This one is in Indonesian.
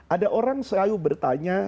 ada orang selalu bertanya